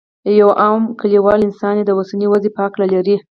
یو عام کلیوال انسان یې د اوسنۍ وضعې په هکله لري.